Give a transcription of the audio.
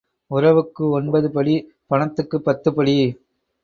உறவுக்கு ஒன்பது படி பணத்துக்குப் பத்துப் படி.